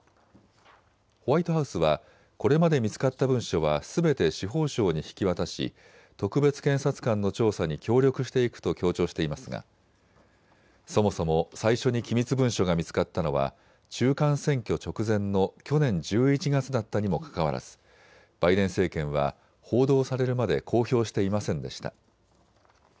ホワイトハウスはこれまで見つかった文書はすべて司法省に引き渡し特別検察官の調査に協力していくと強調していますがそもそも最初に機密文書が見つかったのは中間選挙直前の去年１１月だったにもかかわらずバイデン政権は報道されるまで公表していませんでした。